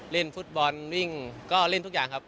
เล่นฟุตบอลวิ่งก็เล่นทุกอย่างครับ